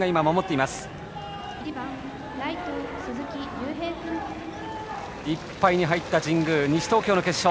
いっぱいに入った神宮西東京の決勝。